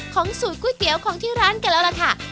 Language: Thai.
ของสูตรกุ๊ยเตี๊ยวที่ร้านกันแล้วแล้วครับ